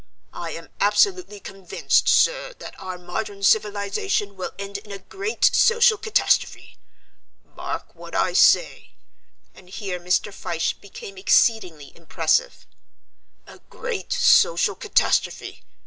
I am absolutely convinced, sir, that our modern civilization will end in a great social catastrophe. Mark what I say" and here Mr. Fyshe became exceedingly impressive "a great social catastrophe.